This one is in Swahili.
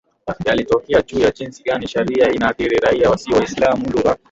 yalitokea juu ya jinsi gani sharia inaathiri raia wasio Waislamu Lugha